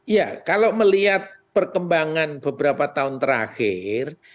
ya kalau melihat perkembangan beberapa tahun terakhir